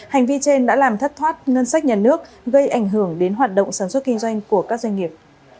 hành vi trên đã làm thất thoát ngân sách nhà nước gây ảnh hưởng đến hoạt động sản xuất kinh doanh của các doanh nghiệp